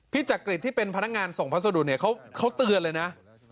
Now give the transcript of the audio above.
จักริตที่เป็นพนักงานส่งพัสดุเนี่ยเขาเตือนเลยนะ